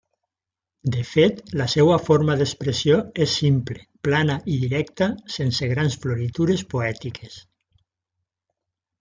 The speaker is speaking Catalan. De fet, la seua forma d'expressió és simple, plana i directa, sense grans floritures poètiques.